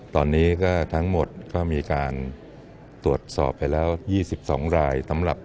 ตอนนี้ก็ทั้งหมดก็มีการตรวจสอบไปแล้ว๒๒รายสำหรับ